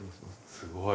すごい。